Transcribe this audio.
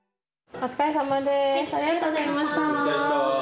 お疲れさまでした。